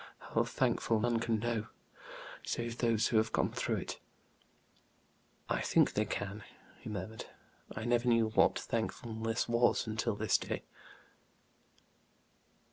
How thankful, none can know, save those who have gone through it." "I think they can," he murmured. "I never knew what thankfulness was until this day."